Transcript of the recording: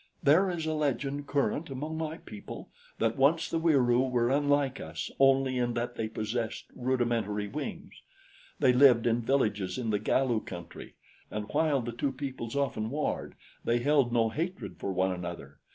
"There is a legend current among my people that once the Wieroo were unlike us only in that they possessed rudimentary wings. They lived in villages in the Galu country, and while the two peoples often warred, they held no hatred for one another.